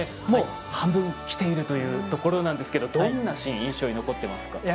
もう、半分きているというところなんですけどどんなシーン、印象残ってますか。